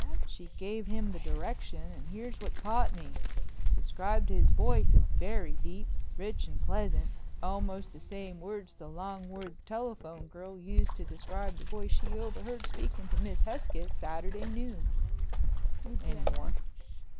She gave him the direction and here's what caught me—describes his voice as very deep, rich and pleasant, almost the same words the Longwood telephone girl used to describe the voice she overheard speaking to Miss Hesketh Saturday noon." "Any more?"